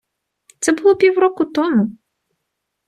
Це було півроку тому.